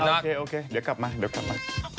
โอเคเดี๋ยวกลับมา